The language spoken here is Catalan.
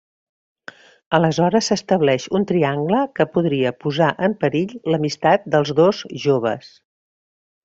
Aleshores s'estableix un triangle que podria posar en perill l'amistat dels dos joves.